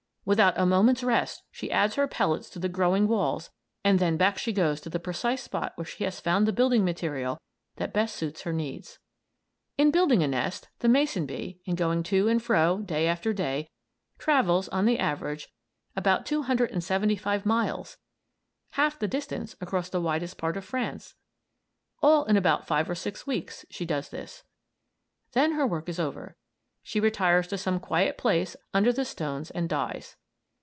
Without a moment's rest, she adds her pellets to the growing walls and then back she goes to the precise spot where she has found the building material that best suits her needs. In building a nest, the mason bee, in going to and fro, day after day, travels, on the average, about 275 miles; half the distance across the widest part of France. All in about five or six weeks, she does this. Then her work is over. She retires to some quiet place under the stones, and dies.